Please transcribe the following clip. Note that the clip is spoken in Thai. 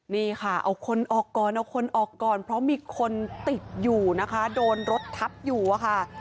นี่ค่ะเอาคนออกก่อนเอาคนออกก่อนเพราะมีคนติดอยู่นะคะโดนรถทับอยู่อะค่ะ